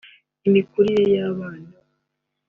imikurire y’abana